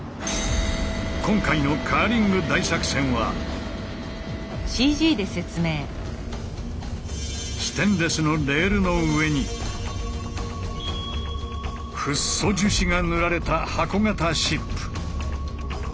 今回のカーリング大作戦はステンレスのレールの上にフッ素樹脂が塗られた箱型シップ。